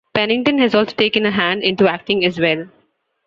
Pennington has also taken a hand into acting as well.